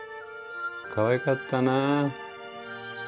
かわいかったな。